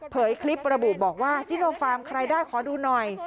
คลิประบุบอกว่าซิโนฟาร์มใครได้ขอดูหน่อย